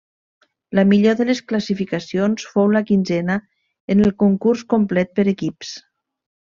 La millor de les classificacions fou la quinzena en el concurs complet per equips.